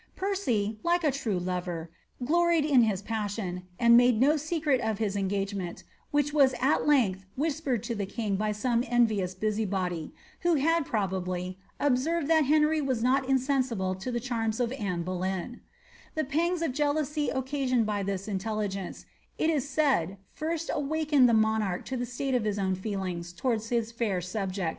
Percy, like a true lover, gloried in his passion, and made no secret of his engagement, which was at length whispered to the king by some envious busybody, who had, probably, observed that Henry was not in sensible to the charms of Anne Boleyn. The pangs of jealousy occa sioned by tiiis intelligence, it is said, first awakened the monarch to the state of his own feelings towards his fair subject,^ in whose conversatioB > Household Books of Henry VUI. 'Lo<ige's Illustrations, vol. L pp. 20, 21.